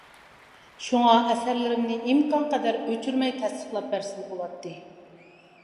شۇڭا ئەسەرلىرىمنى ئىمكانقەدەر ئۆچۈرمەي تەستىقلاپ بەرسىلە بولاتتى.